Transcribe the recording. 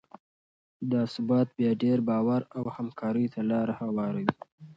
دا ثبات بیا ډیر باور او همکارۍ ته لاره هواروي.